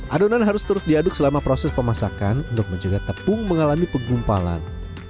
adonan harus terus diaduk selama proses pemasakan untuk menjaga tepung mengalami penggumpalan